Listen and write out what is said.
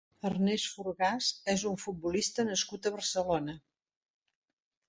Ernest Forgàs és un futbolista nascut a Barcelona.